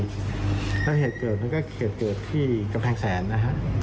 แล้วเหตุเกิดมันก็เหตุเกิดที่กำแพงแสนนะฮะ